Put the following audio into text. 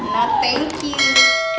nah thank you